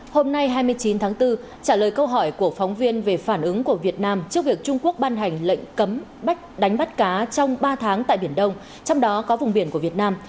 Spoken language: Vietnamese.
hôm nay hai mươi chín tháng bốn trả lời câu hỏi của phóng viên về phản ứng của việt nam trước việc trung quốc ban hành lệnh cấm bắt đánh bắt cá trong ba tháng tại biển đông trong đó có vùng biển của việt nam